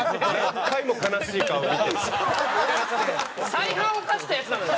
再犯を犯したヤツなのよ